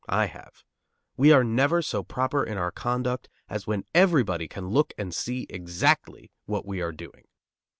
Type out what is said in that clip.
I have. We are never so proper in our conduct as when everybody can look and see exactly what we are doing.